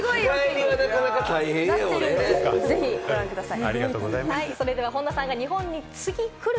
ぜひご覧ください。